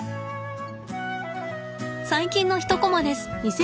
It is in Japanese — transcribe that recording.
最近の一コマです。